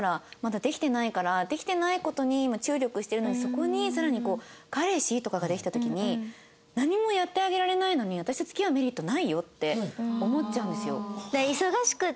そこにさらに彼氏とかができた時に何もやってあげられないのに私と付き合うメリットないよって思っちゃうんですよ。